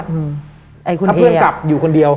ถ้าเพื่อนกลับอยู่คนเดียว